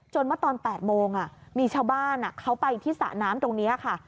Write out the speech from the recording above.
เมื่อตอน๘โมงมีชาวบ้านเขาไปที่สระน้ำตรงนี้ค่ะ